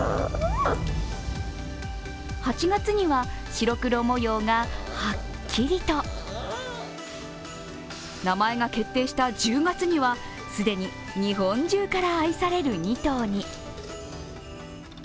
８月には白黒模様がはっきりと名前が決定した１０月には既に日本中から愛される２頭に。